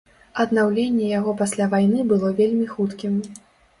Аднаўленне яго пасля вайны было вельмі хуткім.